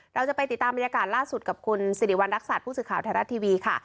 เราจะไปติดตามบรรยากาศล่าสุดกับคุณสิริวัณรักษัตริย์ผู้สื่อข่าวไทยรัฐทีวีค่ะ